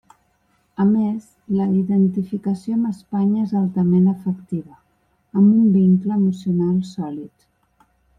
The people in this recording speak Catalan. A més, la identificació amb Espanya és altament afectiva, amb un vincle emocional sòlid.